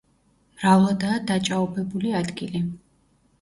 მრავლადაა დაჭაობებული ადგილი.